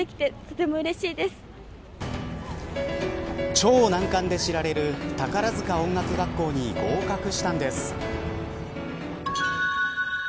超難関で知られる宝塚音楽学校に合格したんです。